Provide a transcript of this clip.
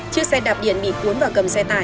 chiếc xe đạp điện bị cuốn vào cầm xe tài